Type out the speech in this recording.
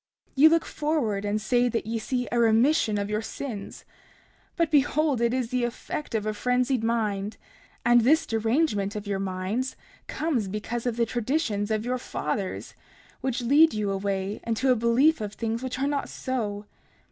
30:16 Ye look forward and say that ye see a remission of your sins. But behold, it is the effect of a frenzied mind; and this derangement of your minds comes because of the traditions of your fathers, which lead you away into a belief of things which are not so.